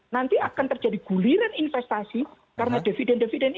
nanti akan terjadi guliran investasi karena dividen dividen ini